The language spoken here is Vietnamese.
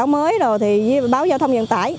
mới rồi thì báo giao thông dân tải